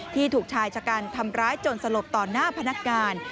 ที่ถูกถ่ายจากการทำร้ายจนสลบตอนหน้าพนักการ